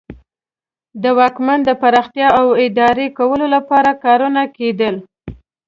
د واکمنۍ د پراختیا او اداره کولو لپاره کارونه کیدل.